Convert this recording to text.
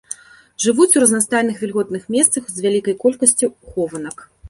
Жывуць у разнастайных вільготных месцах з вялікай колькасцю хованак.